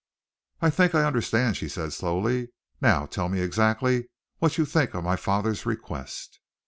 "I think I understand," she said slowly. "Now tell me exactly what you think of my father's request?"